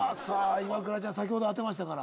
イワクラちゃん先ほど当てましたから。